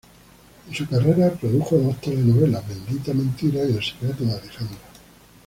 En su carrera produjo dos telenovelas Bendita mentira y El secreto de Alejandra.